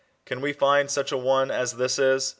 " Can we fend such a one as this is